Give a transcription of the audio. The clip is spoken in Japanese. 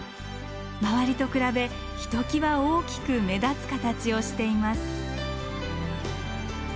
周りと比べひときわ大きく目立つ形をしています。